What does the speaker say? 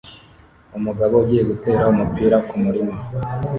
Umugabo ugiye gutera umupira kumurima